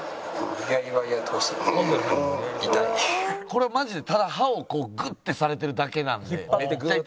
これマジでただ歯をこうグッてされてるだけなんでめっちゃ痛い。